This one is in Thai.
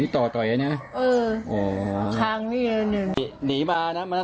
ตามมาถึงน้ำน่ะ